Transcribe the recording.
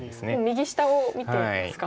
右下を見てますか。